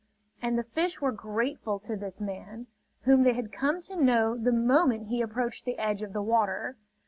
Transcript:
And the fish were grateful to this man, whom they had come to know the moment he approached the edge of the water.